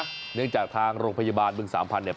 เนื่องจากทางโรงพยาบาลบึงสามพันธุเนี่ย